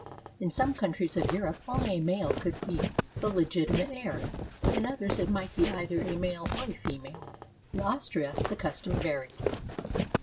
In some countries of Europe only a male could be the "legitimate heir"; in others it might be either a male or a female; in Austria, the custom varied.